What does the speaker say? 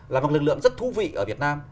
là một lực lượng rất thú vị ở việt nam